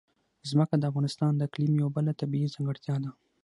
ځمکه د افغانستان د اقلیم یوه بله طبیعي ځانګړتیا ده.